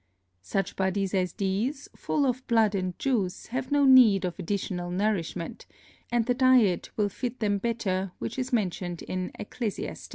Such Bodies as these, full of Blood and Juice, have no need of additional Nourishment, and the Diet will fit them better which is mentioned in Ecclesiast.